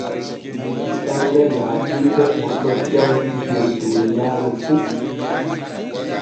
Ɗiɗawre laatinte ɓurɗo jawdi der duuniyaaru fu.